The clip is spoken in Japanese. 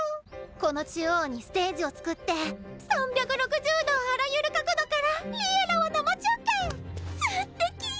この中央にステージを作って３６０度あらゆる角度から「Ｌｉｅｌｌａ！」を生中継！スッテキィ！